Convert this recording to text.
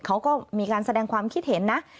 เขาก็มีการแสดงความคิดเห็นนะ